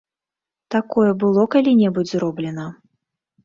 Такое было калі-небудзь зроблена?